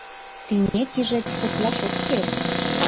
Тине тижец утлаш от керт.